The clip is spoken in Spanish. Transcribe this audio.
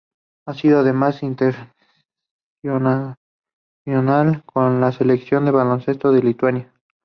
Ha sido además internacional con la selección de baloncesto de Lituania.